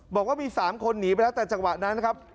บอกว่ามี๓คนหนีไปแล้วแต่จังหวะนั้นนะครับ